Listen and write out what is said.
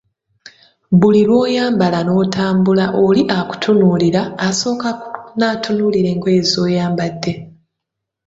Buli lwoyambala notambula, oli akutunuulira, asooka natunuulira engoye zoyambadde.